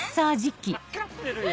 分かってるよ。